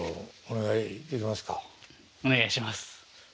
お願いします。